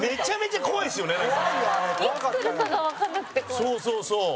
そうそうそう！